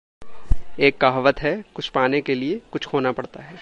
एक कहावत है, "कुछ पाने के लिए कुछ खोना पड़ता है"।